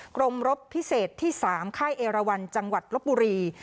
รมรบพิเศษที่๓ค่ายเอราวันจังหวัดลบบุรี